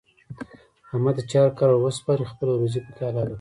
احمد ته چې هر کار ور وسپارې خپله روزي پکې حلاله کوي.